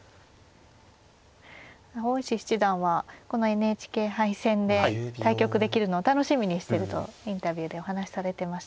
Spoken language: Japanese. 大石七段はこのＮＨＫ杯戦で対局できるのを楽しみにしてるとインタビューでお話しされてましたからね。